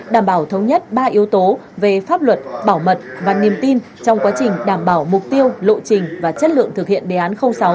đảm bảo thống nhất ba yếu tố về pháp luật bảo mật và niềm tin trong quá trình đảm bảo mục tiêu lộ trình và chất lượng thực hiện đề án sáu